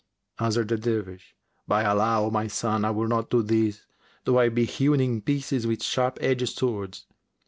Answered the Dervish, "By Allah, O my son, I will not do this, though I be hewn in pieces with sharp edged swords!"